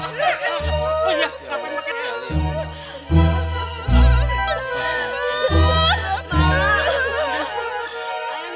iya lapan masih sekali